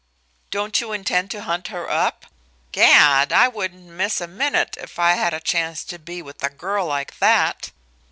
"Don't you intend to hunt her up? 'Gad, I wouldn't miss a minute if I had a chance to be with a girl like that!